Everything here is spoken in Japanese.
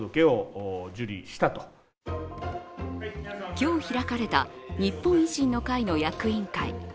今日開かれた日本維新の会の役員会。